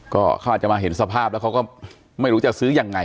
ก็เขาอาจจะมาเห็นสภาพแล้วเขาก็ไม่รู้จะซื้อยังไง